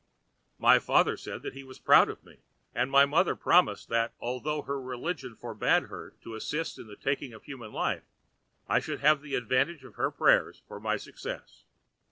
My father said he was proud of me, and my mother promised that although her religion forbade her to assist in taking human life I should have the advantage of her prayers for my success.